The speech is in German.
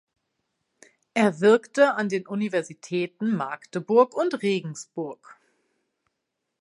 Er wirkte an den Universitäten Magdeburg und Regensburg.